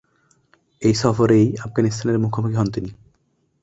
এ সফরেই আফগানিস্তানের মুখোমুখি হন তিনি।